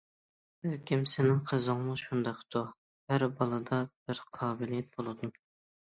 بەلكىم سېنىڭ قىزىڭمۇ شۇنداقتۇ... ھەر بالىدا بىر قابىلىيەت بولىدۇ.